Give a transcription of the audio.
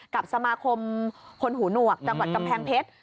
กับสมาคมคนหูหนวกจังหวัดกำแพงเพชร